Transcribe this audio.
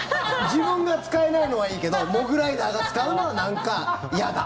自分が使えないのはいいけどモグライダーが使うのはなんか嫌だ！